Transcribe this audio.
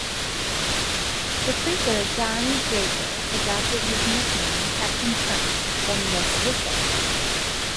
The phreaker John Draper adopted his nickname "Captain Crunch" from this whistle.